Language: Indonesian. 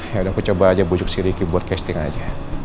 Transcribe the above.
yaudah aku coba aja bujuk si riki buat casting aja